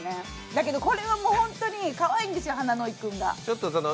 だけどこれはもう本当にかわいいんですよ、花野井くんが。